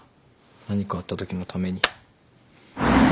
何かあったときのために。